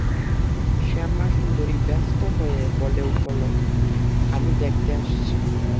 শ্যামাসুন্দরী ব্যস্ত হয়ে বলে উঠল, আমি দেখে আসছি।